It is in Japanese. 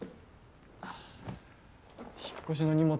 引っ越しの荷物